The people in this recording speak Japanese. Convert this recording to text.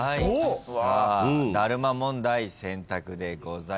ダルマ問題選択でございます。